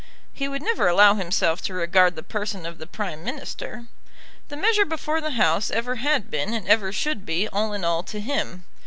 He would never allow himself to regard the person of the Prime Minister. The measure before the House ever had been and ever should be all in all to him.